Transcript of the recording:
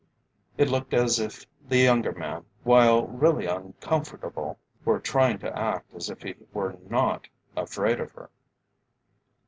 It looked as if the younger man, while really uncomfortable, were trying to act as if he were not afraid of her.